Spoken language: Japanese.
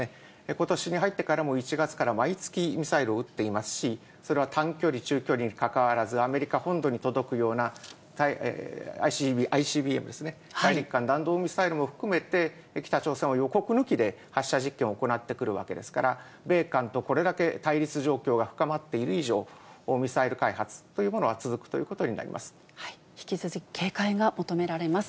ことしに入ってからも、１月から、毎月ミサイルを撃っていますし、それは短距離、中距離にかかわらず、アメリカ本土に届くようなＩＣＢＭですね、大陸間弾道ミサイルも含めて、北朝鮮は予告抜きで発射実験を行ってくるわけですから、米韓とこれだけ対立状況が深まっている以上、ミサイル開発という引き続き、警戒が求められます。